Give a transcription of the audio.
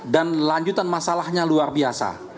dan lanjutan masalahnya luar biasa